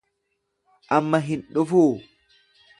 amma hin dhufuu?